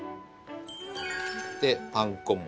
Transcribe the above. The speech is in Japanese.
でパン粉も。